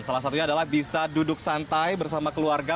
salah satunya adalah bisa duduk santai bersama keluarga